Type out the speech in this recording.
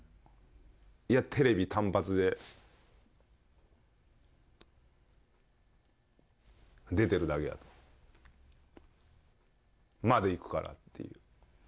いやテレビ単発で出てるだけだとまでいくからっていう